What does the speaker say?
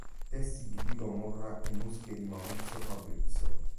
Testi di Guido Morra e musiche di Maurizio Fabrizio.